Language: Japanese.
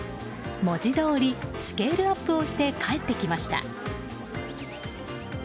文字どおりスケールアップをして帰ってきました。